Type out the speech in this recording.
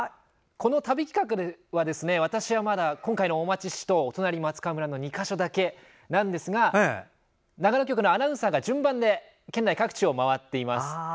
この旅企画では私はまだ今回の大町市とお隣の松川村の２か所だけなんですが長野局のアナウンサーが順番で県内各地を回っています。